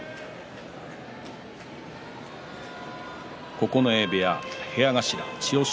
九重部屋部屋頭千代翔